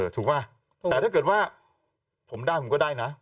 ถูกป่ะแต่ถ้าเกิดว่าผมได้ผมก็ได้นะ